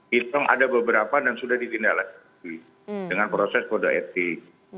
hitung ada beberapa yang sudah ditindak lagi dengan proses polda etik